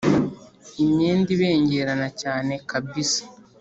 imyenda ibengerana cyane kabisa